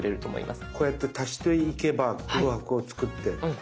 こうやって足していけば空白を作って。